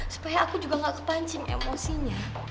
supaya aku juga gak kepancing emosinya